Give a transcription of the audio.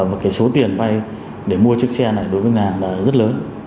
và cái số tiền vay để mua chiếc xe này đối với ngân hàng là rất lớn